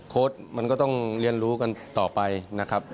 มันก็ต้องเรียนรู้กันต่อไปนะครับ